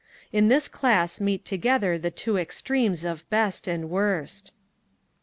In this class meet together the two extremes of best and worst.